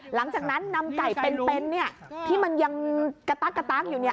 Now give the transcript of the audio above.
หลังจากนั้นนำไก่เป็นที่มันยังกระตั๊กกระตั๊กอยู่เนี่ย